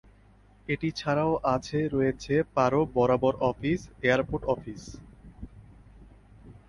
এটি এছাড়াও আছে রয়েছে পারো বরাবর অফিস, এয়ারপোর্ট অফিস।